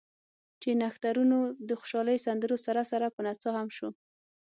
چې نښترونو د خوشالۍ سندرو سره سره پۀ نڅا هم شو ـ